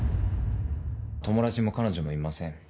友達も彼女もいません。